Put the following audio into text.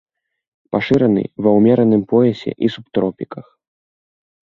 Пашыраны ва ўмераным поясе і субтропіках.